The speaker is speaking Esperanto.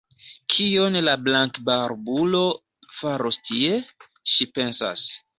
Kion la blankbarbulo faros tie? ŝi pensas.